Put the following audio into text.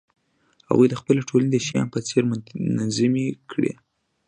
هغوی خپلې ټولنې د شیام په څېر منظمې کړې